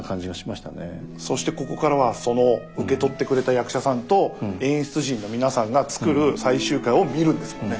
そしてここからはその受け取ってくれた役者さんと演出陣の皆さんが作る最終回を見るんですもんね。